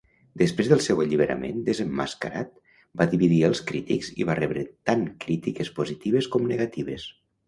Després del seu alliberament, desemmascarat, va dividir els crítics i va rebre tant crítiques positives com negatives.